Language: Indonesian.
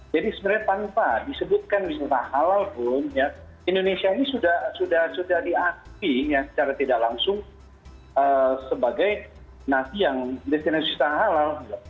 jadi sebenarnya tanpa disebutkan wisata halal pun indonesia ini sudah diaktifkan secara tidak langsung sebagai nasi yang destinasi halal